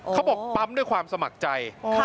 เขาบอกปั๊มด้วยความสมัครใจ